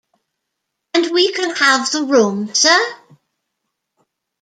And we can have the room, sir?